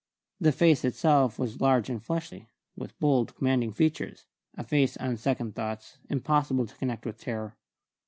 The face itself was large and fleshy, with bold, commanding features: a face, on second thoughts, impossible to connect with terror.